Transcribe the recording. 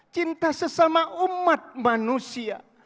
cinta sesama umat manusia